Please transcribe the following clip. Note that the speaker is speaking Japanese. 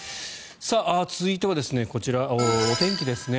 続いては、こちらお天気ですね。